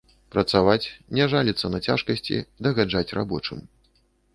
Працаваць, не жаліцца на цяжкасці, дагаджаць рабочым.